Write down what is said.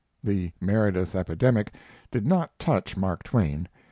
The Meredith epidemic did not touch Mark Twain.